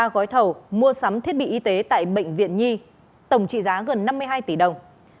ba gói thầu mua sắm thiết bị y tế tại bệnh viện nhi tổng trị giá gần năm mươi hai tỷ đồng